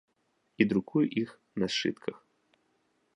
І друкуе іх на сшытках.